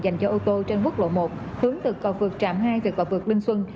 dành cho ô tô trên quốc lộ một hướng từ cò vượt trạm hai về cò vượt linh xuân